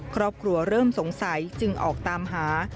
ครอบครัวเริ่มสงสัยจึงออกตามหา